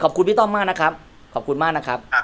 พี่ต้อมมากนะครับขอบคุณมากนะครับ